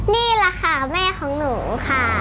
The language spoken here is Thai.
นี่แหละค่ะแม่ของหนูค่ะ